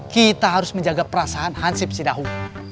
kita harus menjaga perasaan hansib sidahu